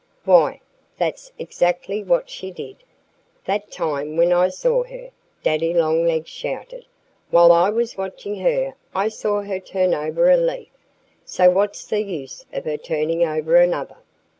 "Why, that's exactly what she did, that time when I saw her!" Daddy Longlegs shouted. "While I was watching her I saw her turn over a leaf. So what's the use of her turning over another."